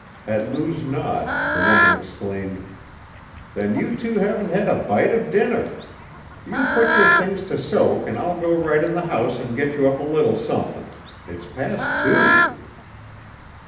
At Lou's nod the woman exclaimed: "Then you two haven't had a bite of dinner! You put your things to soak and I'll go right in the house and get you up a little something; it's past two."